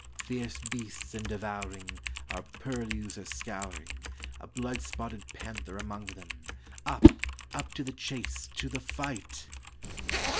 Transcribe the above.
Fierce beasts and devouringOur purlieus are scouring,A blood spotted panther among them; Up, up to the chase, to the fight!"